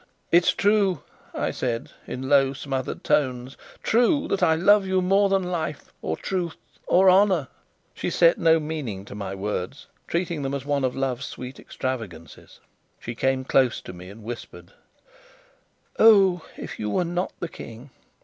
"It's true!" I said, in low smothered tones "true that I love you more than life or truth or honour!" She set no meaning to my words, treating them as one of love's sweet extravagances. She came close to me, and whispered: "Oh, if you were not the King!